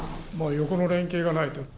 横の連携がないと。